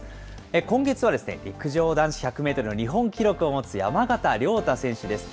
今月は陸上男子１００メートルの日本記録を持つ山縣亮太選手です。